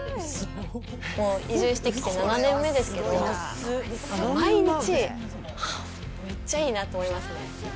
移住してきて７年目ですけど、毎日、はあ、めっちゃいいなと思いますね。